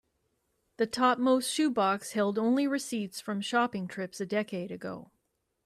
The topmost shoe box held only receipts from shopping trips a decade ago.